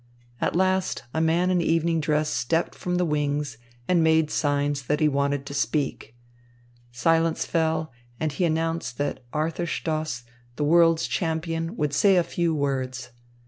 At last a man in evening dress stepped from the wings and made signs that he wanted to speak. Silence fell, and he announced that Arthur Stoss, the world's champion, would say a few words.